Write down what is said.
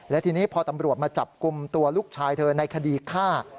และทีนี้พอตำรวจมาจับกลุ่มตัวลูกชายเธอในคดีฆ่า